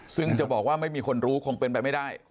ซึ่งจะบอกว่าไม่มีคนรู้คงเป็นไปไม่ได้